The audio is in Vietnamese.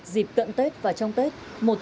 dịp cận tết và trong tết